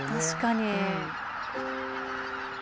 確かに。